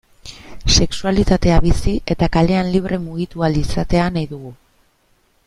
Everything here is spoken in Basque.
Sexualitatea bizi eta kalean libre mugitu ahal izatea nahi dugu.